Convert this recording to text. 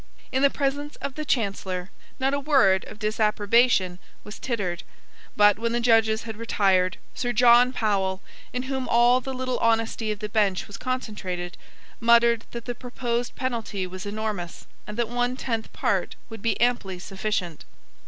In the presence of the Chancellor not a word of disapprobation was tittered: but, when the judges had retired, Sir John Powell, in whom all the little honesty of the bench was concentrated, muttered that the proposed penalty was enormous, and that one tenth part would be amply sufficient.